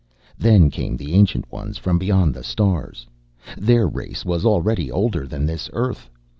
"Then came the Ancient Ones from beyond the stars. Their race was already older than this earth.